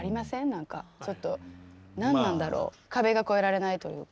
何かちょっと何なんだろう壁が越えられないというか。